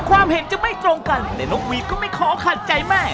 แม้ความเห็นจะไม่ตรงกันแต่น้องวิทย์ก็ไม่ขอขัดใจแม่